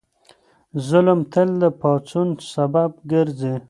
ظلم تل د پاڅون سبب ګرځي.